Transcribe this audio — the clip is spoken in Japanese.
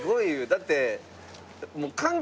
だって。